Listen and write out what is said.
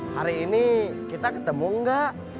hari ini kita ketemu enggak